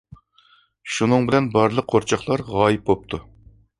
شۇنىڭ بىلەن، بارلىق قورچاقلار غايىب بوپتۇ.